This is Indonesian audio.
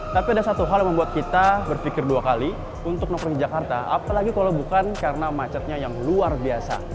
tapi ada satu hal yang membuat kita berpikir dua kali untuk nongkrong di jakarta apalagi kalau bukan karena macetnya yang luar biasa